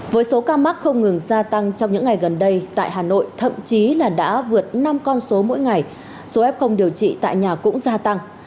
với số ca mắc không ngừng gia tăng trong những ngày gần đây tại hà nội thậm chí là đã vượt năm con số mỗi ngày số f điều trị tại nhà cũng gia tăng